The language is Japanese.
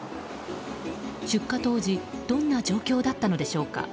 出火当時どんな状況だったのでしょうか。